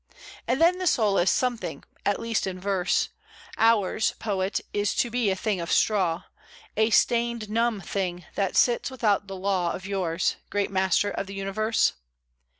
And then the soul is something at least in verse. Ours, poet, is to be a thing of straw, A stained, numb thing, that sits without the law Of yours, great master of the universe?